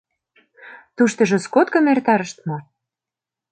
— Туштыжо скоткым эртарышт мо?